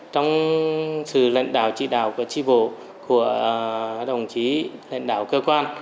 trong sự lãnh đạo chỉ đạo của tri bộ của đồng chí lãnh đạo cơ quan